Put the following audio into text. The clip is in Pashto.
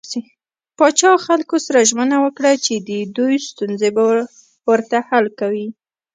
پاچا خلکو سره ژمنه وکړه چې د دوي ستونزې به ورته حل کوي .